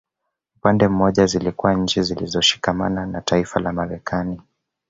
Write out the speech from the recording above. Upande mmoja zilikuwa nchi zilizoshikama na taifa la Marekani